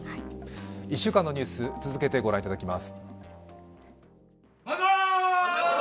１週間のニュース続けて御覧いただきます。